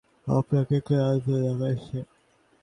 আপনাকে ক্লান্ত দেখাচ্ছে।